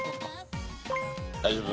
大丈夫？